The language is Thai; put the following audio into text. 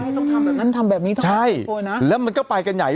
อืมอืมต้องทำแบบนั้นทำแบบนี้ใช่แล้วมันก็ไปกันใหญ่